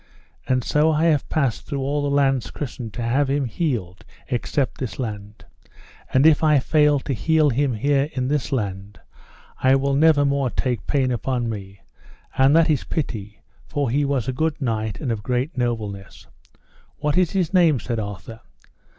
And so I have passed through all the lands christened to have him healed, except this land. And if I fail to heal him here in this land, I will never take more pain upon me, and that is pity, for he was a good knight, and of great nobleness. What is his name? said Arthur.